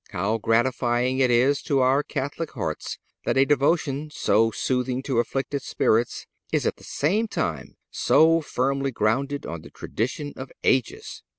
How gratifying it is to our Catholic hearts that a devotion so soothing to afflicted spirits is at the same time so firmly grounded on the tradition of ages!